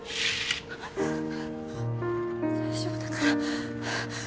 大丈夫だから。